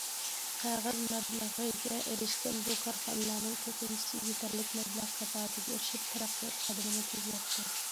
قەرز مەبلىغىگە ئېرىشكەن بۇ كارخانىلارنىڭ كۆپىنچىسى يېتەرلىك مەبلەغ كاپالىتىگە ئېرىشىپ، تەرەققىيات قەدىمىنى تېزلەتتى.